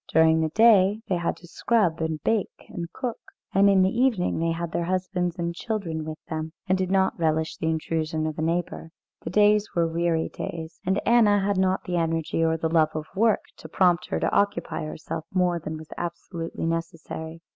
During the day they had to scrub and bake and cook, and in the evening they had their husbands and children with them, and did not relish the intrusion of a neighbour. The days were weary days, and Anna had not the energy or the love of work to prompt her to occupy herself more than was absolutely necessary.